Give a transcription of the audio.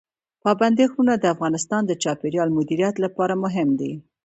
پابندي غرونه د افغانستان د چاپیریال مدیریت لپاره مهم دي.